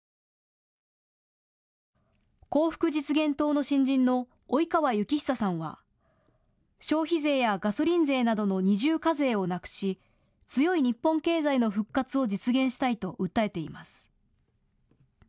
幸福実現党の新人の及川幸久さんは消費税やガソリン税などの二重課税をなくし、強い日本経済の復活を実現したいと訴えています。